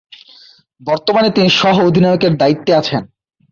বর্তমানে তিনি সহঃ অধিনায়কের দায়িত্বে রয়েছেন।